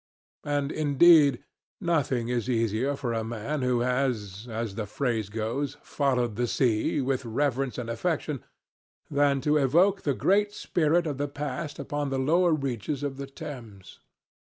And indeed nothing is easier for a man who has, as the phrase goes, "followed the sea" with reverence and affection, than to evoke the great spirit of the past upon the lower reaches of the Thames.